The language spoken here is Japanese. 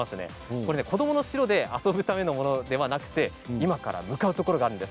こどもの城で遊ぶためのものではなくて今から向かうところがあるんです。